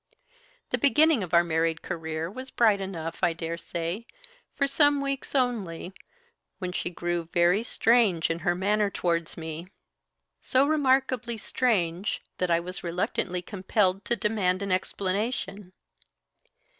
"The beginning of our married career was bright enough, I dare say, for some weeks only, when she grew very strange in her manner towards me. So remarkably strange, that I was reluctantly compelled to demand an explanation.